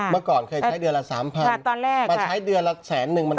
ค่ะเมื่อก่อนเคยใช้เดือนละสามพันค่ะตอนแรกมาใช้เดือนละแสนนึงมัน